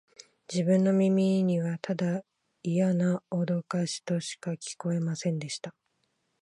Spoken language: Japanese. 自分の耳には、ただイヤなおどかしとしか聞こえませんでした